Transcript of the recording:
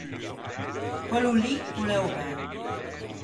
Quello lì o l’é o mæ.